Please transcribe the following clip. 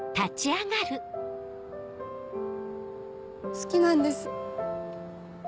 好きなんです。